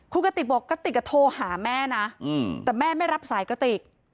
คุณกติกบอกกะติกโทรหาแม่นะแต่แม่ไม่รับสายกระติก